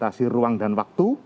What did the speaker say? tidak dibatasi ruang dan waktu